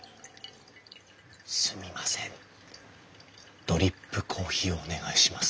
すみませんドリップコーヒーをお願いします。